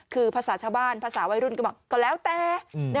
คือภาษาชาวบ้านภาษาวัยรุ่นก็บอกก็แล้วแต่